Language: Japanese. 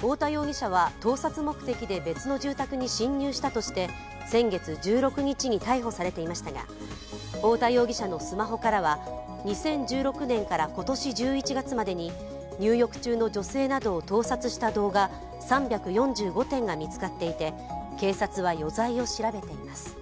太田容疑者は盗撮目的で別の住宅に侵入したとして先月１６日に逮捕されていましたが、太田容疑者のスマホからは２０１６年から今年１１月までに入浴中の女性などを盗撮した動画３４５点が見つかっていて警察は余罪を調べています。